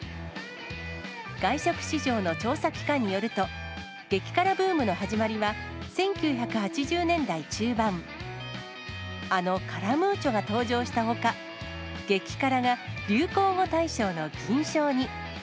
外食市場の調査機関によると、激辛ブームの始まりは、１９８０年代中盤、あのカラムーチョが登場したほか、激辛が流行語大賞の銀賞に。